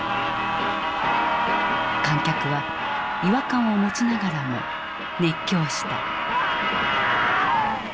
観客は違和感を持ちながらも熱狂した。